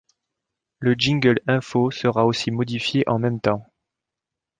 Le jingle info sera aussi modifié en même temps.